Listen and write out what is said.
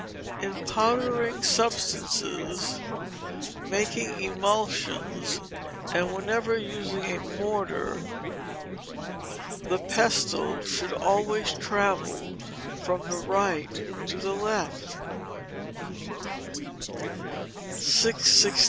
In powdering substances, making emulsions, and whenever using a mortar, the pestle should always travel from the right to the left. 667.